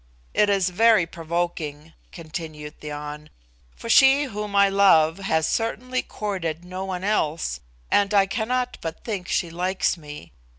It is very provoking," continued the An, "for she whom I love has certainly courted no one else, and I cannot but think she likes me.